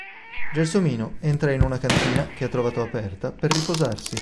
Gelsomino entra in una cantina che ha trovato aperta per riposarsi.